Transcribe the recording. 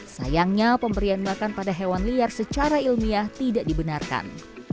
sayangnya pemberian makan pada hewan liar secara ilmiah tidak dibenarkan